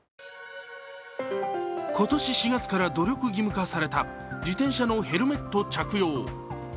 今年４月から努力義務化された自転車のヘルメット着用。